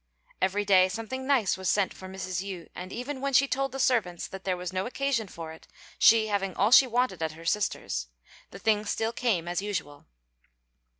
Every day something nice was sent for Mrs. Yü, and even when she told the servants that there was no occasion for it, she having all she wanted at her sister's, the things still came as usual.